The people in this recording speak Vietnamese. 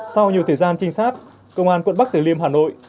sau nhiều thời gian trinh sát công an quận bắc tử liêm hà nội